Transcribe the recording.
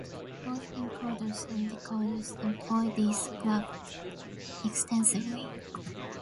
Both encoders and decoders employ these graphs extensively.